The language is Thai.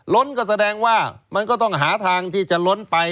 ล้นก็แสดงว่ามันก็ต้องหาทางที่จะล้นไป